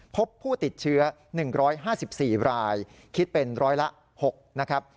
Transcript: พบผู้ติดเชื้อ๑๕๔รายคิดเป็นร้อยละ๖นะครับ